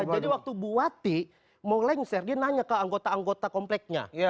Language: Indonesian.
jadi waktu buati mau lengser dia nanya ke anggota anggota kompleknya